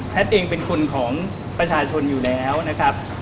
เองเป็นคนของประชาชนอยู่แล้วนะครับ